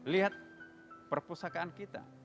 lihat perpusakaan kita